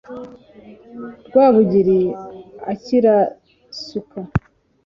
Rwabugili akirasuka